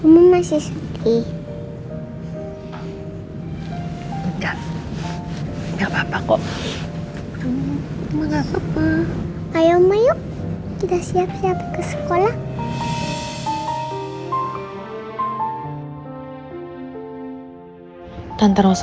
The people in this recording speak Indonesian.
hai denn teruseller mungkin bisa staircase